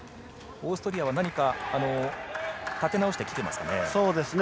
オーストリアは立て直してきていますかね。